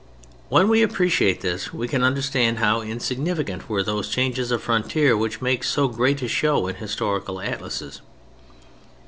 When we appreciate this we can understand how insignificant were those changes of frontier which make so great a show in historical atlases.